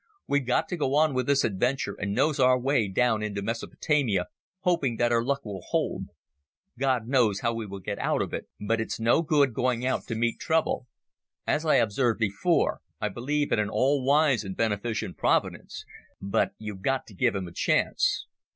We've got to go on with this adventure and nose our way down into Mesopotamia, hoping that our luck will hold ... God knows how we will get out of it; but it's no good going out to meet trouble. As I observed before, I believe in an all wise and beneficent Providence, but you've got to give him a chance."